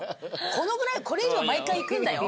このぐらいこれ以上毎回いくんだよ。